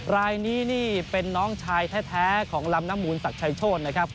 รายนี้นี่เป็นน้องชายแท้ของลำน้ำมูลศักดิ์ชัยโชธนะครับ